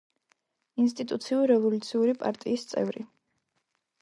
ინსტიტუციურ-რევოლუციური პარტიის წევრი.